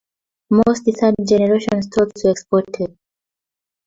Most third generation Stouts were exported.